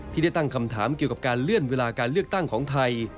ที่ได้ตั้งคำถามเกี่ยวกับการเลื่อนเวลาการเลือกตั้งของไทย